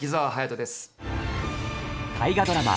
大河ドラマ